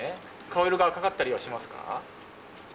顔色が赤かったりはしますか？